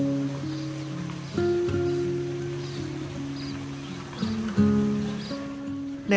dua ribu sembilan silam adalah anak berkebutuhan khusus maulana akbar dan nanti juga mencari tempat untuk berbicara tentang kebutuhan mereka